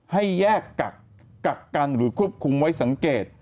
ให้แยกกักกักกันหรือควบคุมไว้สังเกต